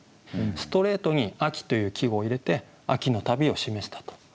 ストレートに「秋」という季語を入れて「秋の旅」を示したと。